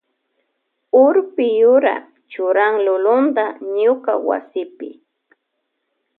Urpi yura churan lulunta ñuka wasipi.